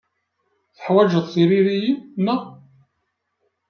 Teḥwajeḍ tiririyin, naɣ?